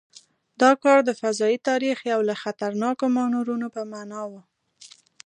دا کار د فضايي تاریخ یو له خطرناکو مانورونو په معنا و.